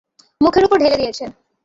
মুখের উপর ঢেলে দিয়েছে।